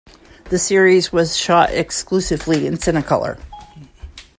The series was shot exclusively in Cinecolor.